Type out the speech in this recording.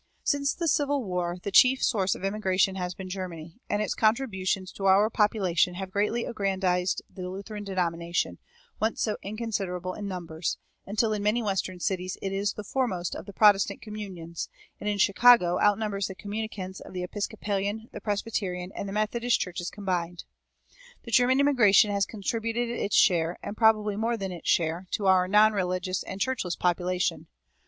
Since the Civil War the chief source of immigration has been Germany; and its contributions to our population have greatly aggrandized the Lutheran denomination, once so inconsiderable in numbers, until in many western cities it is the foremost of the Protestant communions, and in Chicago outnumbers the communicants of the Episcopalian, the Presbyterian, and the Methodist churches combined.[318:1] The German immigration has contributed its share, and probably more than its share, to our non religious and churchless population.